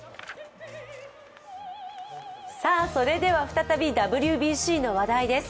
それでは再びＷＢＣの話題です。